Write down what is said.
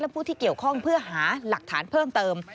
ผู้ที่เกี่ยวข้องเพื่อหาหลักฐานเพิ่มเติม